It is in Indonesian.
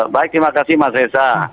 baik terima kasih mas reza